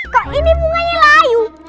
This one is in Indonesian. kok ini bunganya layu